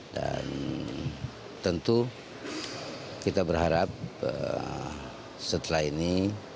dan tentu kita berharap setelah ini